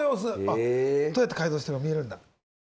どうやって解剖してるのか見れるんだ。